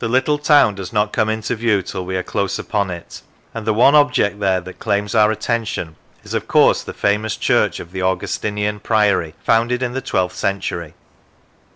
Lonsdale North of the Sands town does not come into view till we are close upon it, and the one object there that claims our attention is of course the famous church of the Augustinian Priory, founded in the twelfth century.